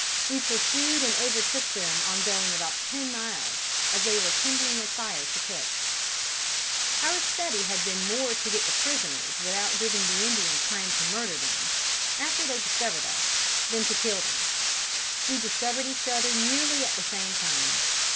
We pursued and overtook them on going about ten miles, as they were kindling a fire to cook. "Our study had been more to get the prisoners without giving the Indians time to murder them, after they discovered us, than to kill them. We discovered each other nearly at the same time.